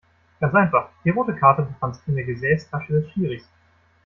Ganz einfach: Die rote Karte befand sich in der Gesäßtasche des Schiris.